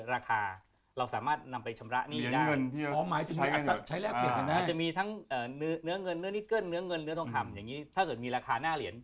ราคาเราสามารถนำไปชำระนี่ได้หรือมีมีราคาหน้าเหรียญ